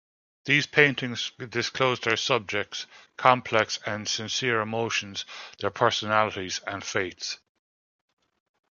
These paintings disclose their subjects' complex and sincere emotions, their personalities and fates.